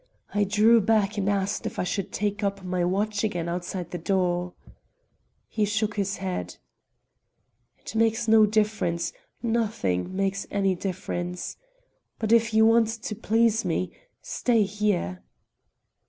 I drew back and asked if I should take up my watch again outside the door. He shook his head. "It makes no difference; nothing makes any difference. But if you want to please me, stay here."